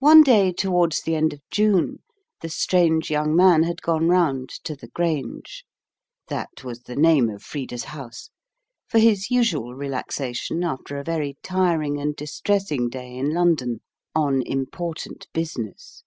One day towards the end of June, the strange young man had gone round to The Grange that was the name of Frida's house for his usual relaxation after a very tiring and distressing day in London, "on important business."